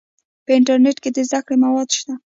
په انټرنیټ کې د زده کړې مواد شته.